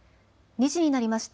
２時になりました。